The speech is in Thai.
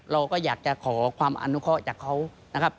เราก็อยากจะขอความอนุเคาะจากเขานะครับ